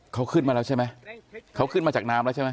เขาขึ้นมาแล้วใช่ไหมเขาขึ้นมาจากน้ำแล้วใช่ไหม